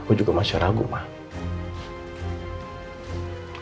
kok aku gak yakin ya sama yang dikatakan else